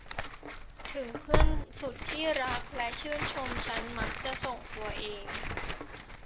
ถึงเพื่อนสุดที่รักและชื่นชมฉันมักจะส่งตัวเอง